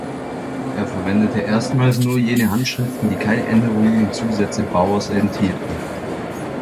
Er verwendete erstmals nur jene Handschriften, die keine Änderungen und Zusätze Bowers enthielten.